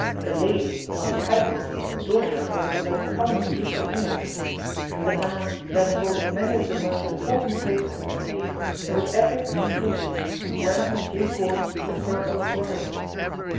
The lady, one of title, daughter of one of the most prominent Dukes in England, the man then holding many of the most important posts in the State, and with every expectation of wearing in due course the purple of royalty.